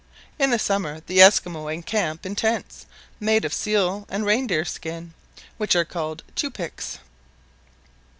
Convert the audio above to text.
In the summer the Esquimaux encamp in tents made of seal and reindeer skins, which are called tupics.